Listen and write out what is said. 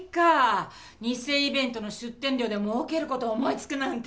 偽イベントの出店料で儲ける事を思い付くなんて。